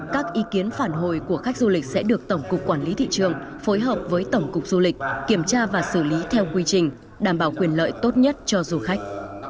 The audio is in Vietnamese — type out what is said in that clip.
các ý kiến phản hồi của khách du lịch sẽ được tổng cục quản lý thị trường phối hợp với tổng cục du lịch kiểm tra và xử lý theo quy trình đảm bảo quyền lợi tốt nhất cho du khách